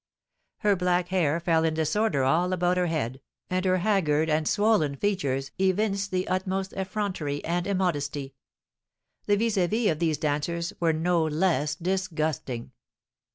Her black hair fell in disorder all about her head, and her haggard and swollen features evinced the utmost effrontery and immodesty. The vis à vis of these dancers were no less disgusting.